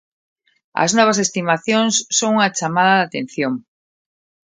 As novas estimacións son unha chamada de atención.